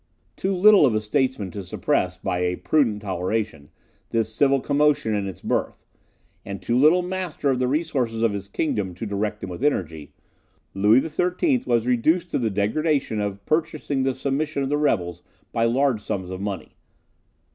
Too little of a statesman to suppress, by a prudent toleration, this civil commotion in its birth, and too little master of the resources of his kingdom to direct them with energy, Louis XIII. was reduced to the degradation of purchasing the submission of the rebels by large sums of money.